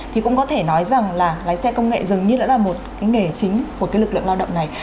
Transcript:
thì cũng có thể nói rằng là lái xe công nghệ dường như là một nghề chính của lực lượng lao động này